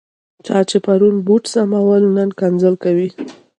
چا چې پرون بوټ سمول، نن کنځل کوي.